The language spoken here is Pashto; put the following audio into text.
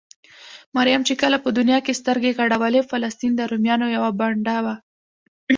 مريم چې کله په دونيا کې سترګې غړولې؛ فلسطين د روميانو يوه بانډه وه.